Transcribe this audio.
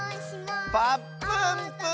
「ぱっぷんぷぅ」！